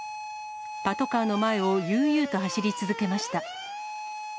パトカーの前を悠々と走り続けました。